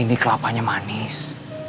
ini kelapanya manis